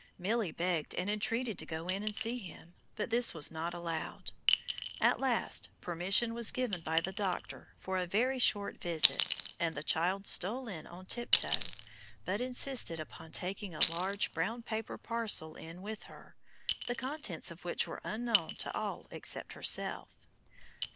Milly begged and entreated to go in and see him, but this was not allowed. At last permission was given by the doctor for a very short visit, and the child stole in on tip toe, but insisted upon taking a large brown paper parcel in with her, the contents of which were unknown to all except herself.